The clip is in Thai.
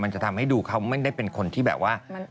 จะทำให้ดูเขาไม่ได้เป็นคนที่แบบว่า